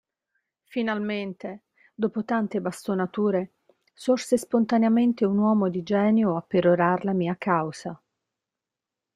Finalmente dopo tante bastonature, sorse spontaneamente un uomo di genio a perorar la mia causa.